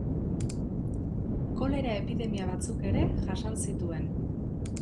Kolera-epidemia batzuk ere jasan zituen.